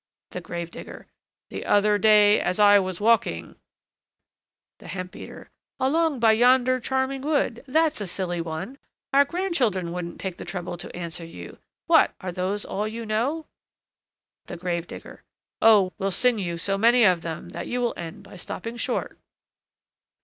THE GRAVE DIGGER. "The other day as I was walking " THE HEMP BEATER. "Along by yonder charming wood!" That's a silly one! Our grandchildren wouldn't take the trouble to answer you! What! are those all you know? THE GRAVE DIGGER. Oh! we'll sing you so many of them, that you will end by stopping short.